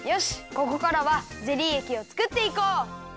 ここからはゼリーえきをつくっていこう。